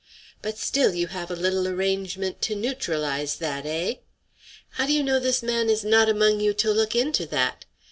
But still you have a little arrangement to neutralize that, eh? How do you know this man is not among you to look into that?